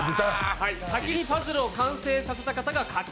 先にパズルを完成させた方が勝ち。